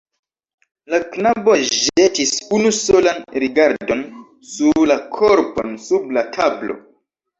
La knabo ĵetis unu solan rigardon sur la korpon sub la tablo.